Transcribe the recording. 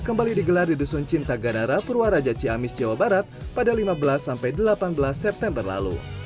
kembali digelar di dusun cinta ganara purwara jaci amis jawa barat pada lima belas delapan belas september lalu